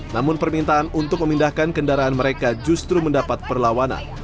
namun permintaan untuk memindahkan kendaraan mereka justru mendapat perlawanan